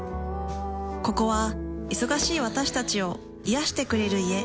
ここは忙しい私たちを癒してくれる家。